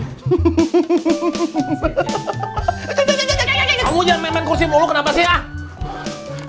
kamu jangan main main kursi mulu kenapa sih ya